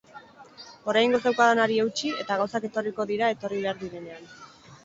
Oraingoz daukadanari eutsi, eta gauzak etorriko dira etorri behar direnean.